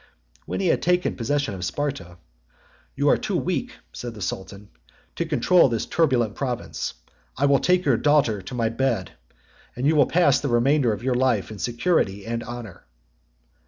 When he had taken possession of Sparta, "You are too weak," said the sultan, "to control this turbulent province: I will take your daughter to my bed; and you shall pass the remainder of your life in security and honor."